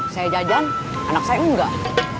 saya jajan anak saya enggak